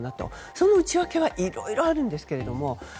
その内訳はいろいろあるんですけれども。